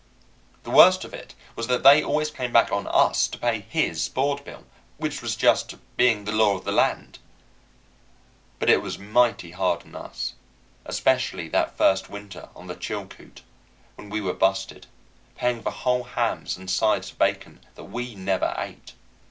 The worst of it was that they always came back on us to pay his board bill, which was just, being the law of the land; but it was mighty hard on us, especially that first winter on the Chilcoot, when we were busted, paying for whole hams and sides of bacon that we never ate.